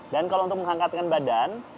dan kalau untuk menghangkatkan badan